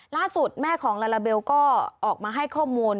ล่าสุดแม่ของลาลาเบลก็ออกมาให้ข้อมูล